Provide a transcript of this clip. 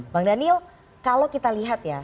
bang daniel kalau kita lihat ya